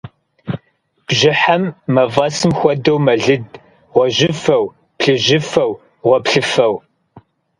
Бжьыхьэм, мафӀэсым хуэдэу, мэлыд гъуэжьыфэу, плъыжьыфэу, гъуэплъыфэу.